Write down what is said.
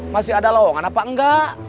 masih ada lowongan apa enggak